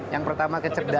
yang pertama kecerdasan